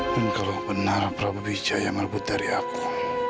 dan kalau benar prabu wijaya merebut dari aku